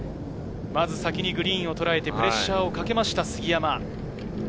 先にグリーンをとらえてプレッシャーをかけました杉山。